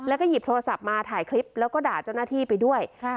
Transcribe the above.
แล้วก็หยิบโทรศัพท์มาถ่ายคลิปแล้วก็ด่าเจ้าหน้าที่ไปด้วย